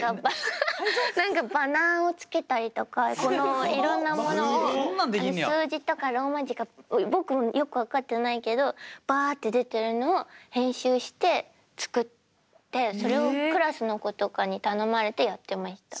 何かバナーをつけたりとかいろんなものを数字とかローマ字か僕もよく分かってないけどバーッて出てるのを編集して作ってそれをクラスの子とかに頼まれてやってました。